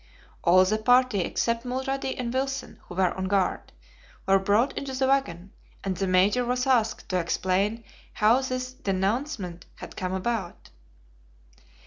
All the party, except Mulrady and Wilson, who were on guard, were brought into the wagon, and the Major was asked to explain how this DENOUEMENT had come about.